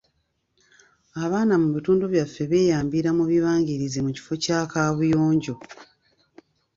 Abaana mu bitundu byaffe beeyambira mu bibangirizi mu kifo kya kaabuyonjo.